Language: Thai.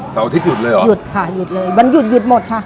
อาทิตยุดเลยเหรอหยุดค่ะหยุดเลยวันหยุดหยุดหมดค่ะ